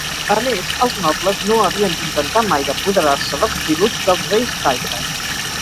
A més, els nobles no havien d'intentar mai d'apoderar-se dels tributs dels reis taifes.